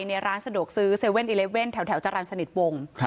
ในร้านสะดวกซื้อ๗๑๑แถวจรรย์สนิทวง